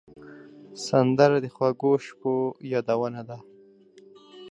سندره د خوږو شپو یادونه ده